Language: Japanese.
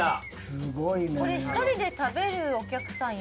これ一人で食べるお客さんいますか？